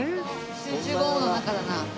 集中豪雨の中だな。